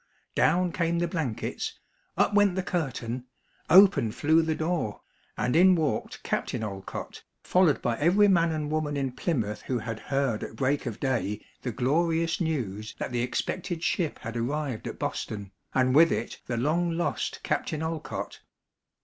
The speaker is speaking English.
Down came the blankets; up went the curtain; open flew the door, and in walked Captain Olcott, followed by every man and woman in Plymouth who had heard at break of day the glorious news that the expected ship had arrived at Boston, and with it the long lost Captain Olcott.